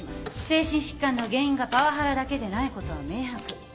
精神疾患の原因がパワハラだけでないことは明白。